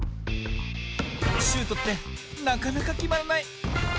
シュートってなかなかきまらない。